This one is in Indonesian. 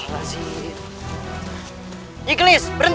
kayaknya harus diteman libraries